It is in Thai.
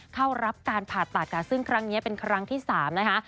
เข้ารับการผ่าตัดซึ่งครั้งนี้เป็นครั้งที่๓นะคะ